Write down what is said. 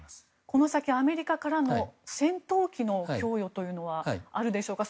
この先、アメリカから戦闘機の供与はあるでしょうか。